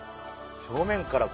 正面から